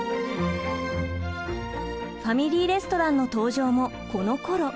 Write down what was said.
ファミリーレストランの登場もこのころ。